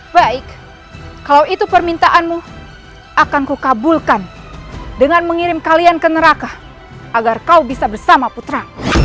baik kalau itu permintaanmu akan kukabulkan dengan mengirim kalian ke neraka agar kau bisa bersama putra